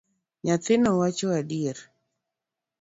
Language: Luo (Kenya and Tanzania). Nyathino wacho adieri.